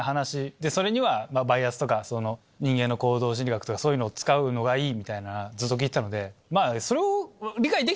でそれにはバイアスとか人間の行動心理学とかそういうのを使うのがいいみたいなずっと聞いてたのでそれを。